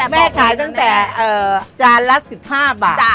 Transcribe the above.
แม่ขายตั้งแต่จานละ๑๕บาท